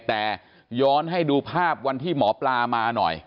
แต่ย้อนให้ดูภาพวันที่หมอปลามาหน่อย